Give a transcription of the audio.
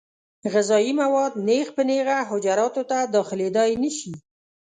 غذایي مواد نېغ په نېغه حجراتو ته داخلېدای نشي.